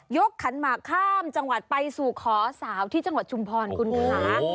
ขันหมากข้ามจังหวัดไปสู่ขอสาวที่จังหวัดชุมพรคุณค่ะ